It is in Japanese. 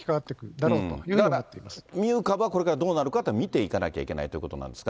だからミュー株はこれからどうなるかっていうのは見ていかなきゃならないということなんですが。